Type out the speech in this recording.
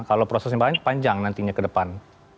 kalau prosesnya panjang nantinya ke depan